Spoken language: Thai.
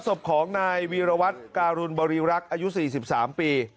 ศพของนายวีรวัตรการุณบริรักษ์อายุ๔๓ปี